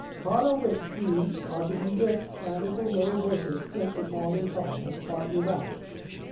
Part of which heaps, are to be with standards of little bushes pricked upon their top, and part without.